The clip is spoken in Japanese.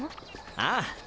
ああ！